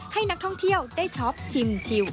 ให้นักท่องเที่ยวได้ช็อปชิมชิว